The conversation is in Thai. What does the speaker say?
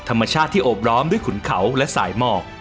ธรรมชาติที่โอบล้อมด้วยขุนเขาและสายหมอก